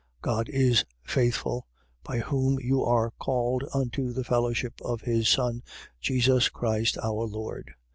1:9. God is faithful: by whom you are called unto the fellowship of his Son, Jesus Christ our Lord.